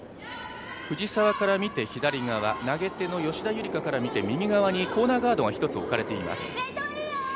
藤澤から見て左側、投げ手の吉田夕梨花から見て左側にコーナーガードが１つ置かれています。